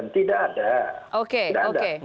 tidak ada oke oke